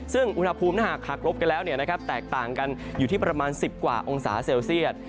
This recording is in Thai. ซึ่งอุณหภูมิถ้าหากหักลบกันแล้วแตกต่างกันอยู่ที่ประมาณ๑๐กว่าองศาเซลเซียต